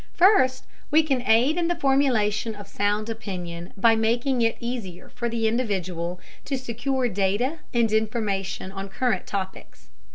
First, we can aid in the formulation of sound opinion by making it easier for the individual to secure data and information on current topics.